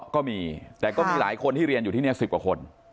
ก็มีแต่ก็มีหลายคนที่เรียนอยู่ที่นี่๑๐กว่าคน